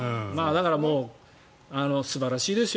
だから素晴らしいですよ